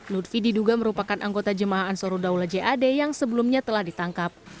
ludvi diduga merupakan anggota jamaah ansaruddaullah cad yang sebelumnya telah ditangkap